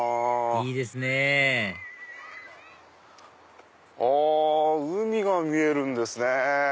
いいですねあっ海が見えるんですね。